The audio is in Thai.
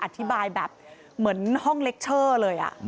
อธิบายแบบเหมือนห้องเล็กเชอร์เลย